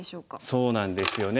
そうなんですよね。